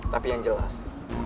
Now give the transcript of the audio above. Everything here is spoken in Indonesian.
tapi yang jelas